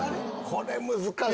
これ難しい。